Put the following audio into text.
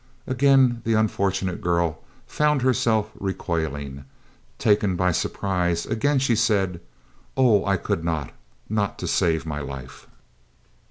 Again the unfortunate girl found herself recoiling, taken by surprise; again she said: "Oh, I could not! Not to save my life!"